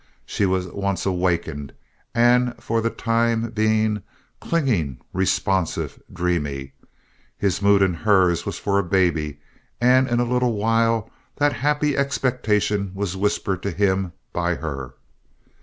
She was once awakened, and for the time being, clinging, responsive, dreamy. His mood and hers was for a baby, and in a little while that happy expectation was whispered to him by her.